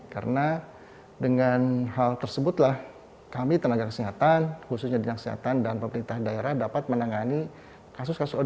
karena dengan hal tersebutlah kami tenaga kesehatan khususnya tindakan kesehatan dan pemerintahan daerah dapat menangani kasus kasus odgj